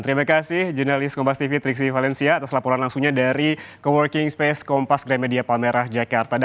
terima kasih jurnalis kompas tv triksi valencia atas laporan langsungnya dari co working space kompas granmedia palmerah jakarta